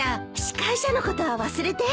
司会者のことは忘れて。